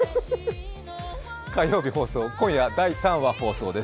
火曜日放送、今夜第３話放送です。